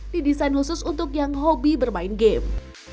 didesain khusus untuk yang hobi bermain game